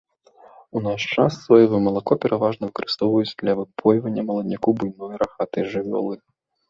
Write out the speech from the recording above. У наш час соевае малако пераважна выкарыстоўваюць для выпойвання маладняку буйной рагатай жывёлы.